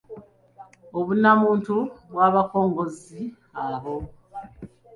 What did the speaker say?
Obunnamuntu bw’abakongozzi abo